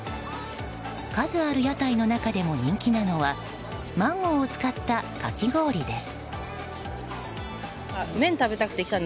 数ある屋台の中でも人気なのはマンゴーを使ったかき氷です。